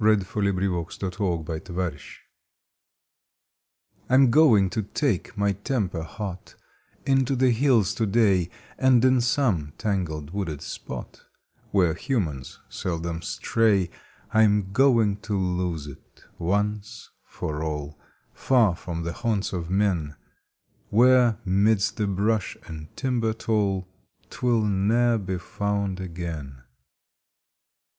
July Fifteenth A RESOLUTION I M going to take my temper hot Into the hills to day, And in some tangled wooded spot Where humans seldom stray I m going to lose it once for all Far from the haunts of men, Where, midst the brush and timber tall, Twill ne er be found again.